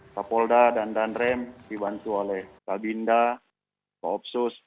kapolda dan danrem dibantu oleh kabinda koopsus